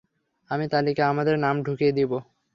আমি তালিকায় আমাদের নাম ঢুকিয়ে দিব।